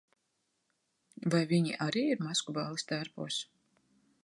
Vai viņi arī ir maskuballes tērpos?